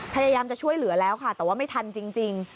พยายามจะช่วยเหลือแล้วค่ะแต่ว่าไม่ทันจริง